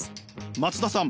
松田さん